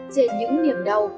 trên những niềm đau